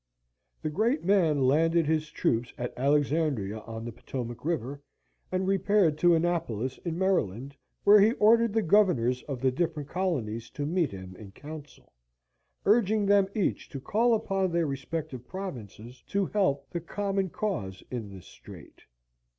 The great man landed his troops at Alexandria on the Potomac river, and repaired to Annapolis in Maryland, where he ordered the governors of the different colonies to meet him in council, urging them each to call upon their respective provinces to help the common cause in this strait.